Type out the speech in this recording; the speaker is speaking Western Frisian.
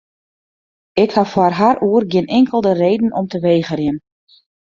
Ik ha foar har oer gjin inkelde reden om te wegerjen.